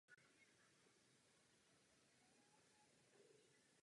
Absolvovala hudební akademii v rodném městě.